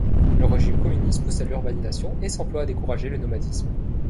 Le régime communiste pousse à l'urbanisation et s'emploie à décourager le nomadisme.